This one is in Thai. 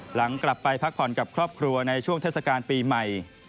หลังกลับไปพักผ่อนกับครอบครัวในช่วงเทศกาลปีใหม่